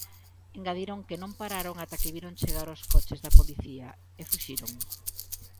Engadiron que non pararon ata que viron chegar os coches da policía, e fuxiron.